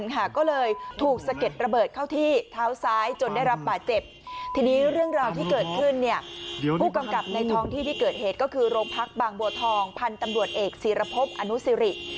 เหตุก็คือโรงพักบางบัวทองพันธุ์ตำรวจเอกศีรพบอนุสิริ